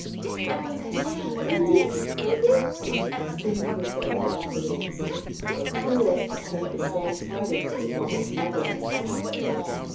Oh, dear ! oh, dear ! oh, dear I " screamed the terrified birds. They flew off to take the sad tidings to Maui's mother and father.